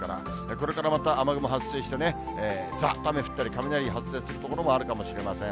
これからまた雨雲発生して、ざーっと雨が降ったり、雷が発生する所もあるかもしれません。